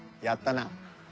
やったな。